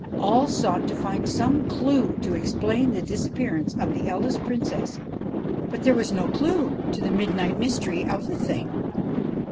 All sought to find some clue to explain the disappearance of the eldest Princess, but there was no clue to the midnight mystery of the thing.